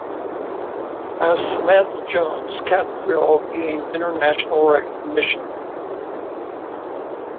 As Samantha Jones, Cattrall gained international recognition.